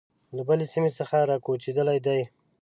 له بلې سیمې څخه را کوچېدلي دي.